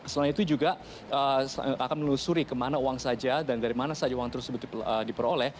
selain itu juga akan menelusuri kemana uang saja dan dari mana saja uang tersebut diperoleh